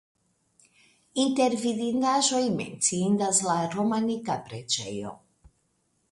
Inter vidindaĵoj menciindas la romanika preĝejo.